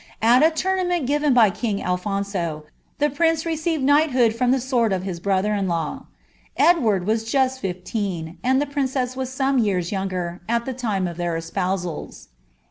At a touma C Kiren by king Alphonso, the prince received knighthood from the ra of his brother in law. Edward was just fif^n, and the princess e years younger,' at the time of their espousals.